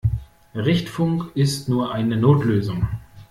Richtfunk ist nur eine Notlösung.